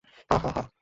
হা হা হা!